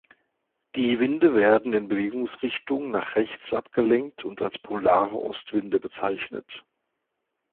Die Winde werden in Bewegungsrichtung nach rechts abgelenkt und als polare Ostwinde bezeichnet.